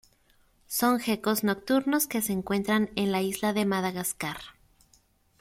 Son gecos nocturnos que se encuentran en la isla de Madagascar.